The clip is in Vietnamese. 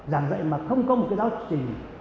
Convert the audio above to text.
giảng dạy mà không có một cái giáo trình